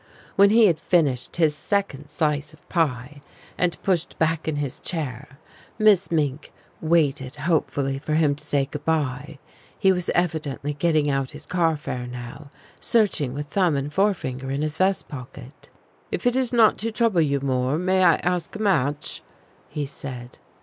When he had finished his second slice of pie, and pushed back his chair, Miss Mink waited hopefully for him to say good bye. He was evidently getting out his car fare now, searching with thumb and forefinger in his vest pocket. "If it is not to trouble you more, may I ask a match?" he said.